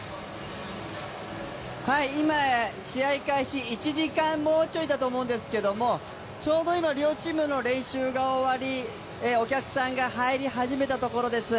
今、試合開始１時間ちょい前だと思いますけれども、ちょうど今、両チームの練習が終わりお客さんが入り始めたところです。